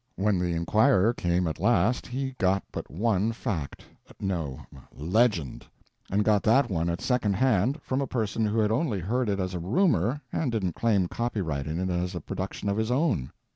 When the inquirer came at last he got but one fact—no, legend—and got that one at second hand, from a person who had only heard it as a rumor and didn't claim copyright in it as a production of his own.